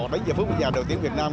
đến giờ phúc già đội tuyển việt nam